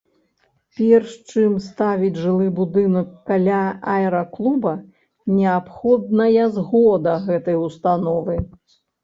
Перш чым ставіць жылы будынак каля аэраклуба, неабходная згода гэтай установы.